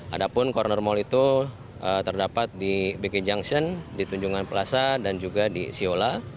ada pun corner mall itu terdapat di bg junction di tunjungan plaza dan juga di siola